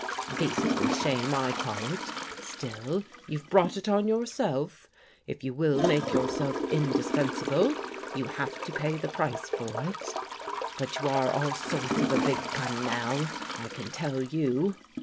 " Beastly shame, I call it Still you've brought it on yourself. If you will make yourself indispensable, you have to pay the price for it. But you are all sorts of a big gun now, I can tell you."